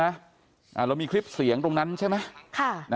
เรามีคลิปเสียงตรงนั้นใช่ไหม